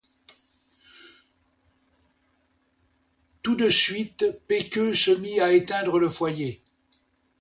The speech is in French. Tout de suite, Pecqueux se mit à éteindre le foyer.